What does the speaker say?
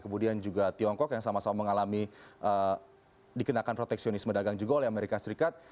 kemudian juga tiongkok yang sama sama mengalami dikenakan proteksionisme dagang juga oleh amerika serikat